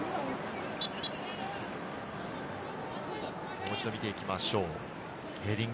もう一度見ていきましょう。